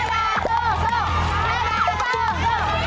ปลอดภัย